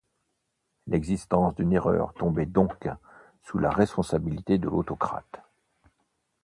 L'existence d'une erreur tombait donc sous la responsabilité de l'autocrate.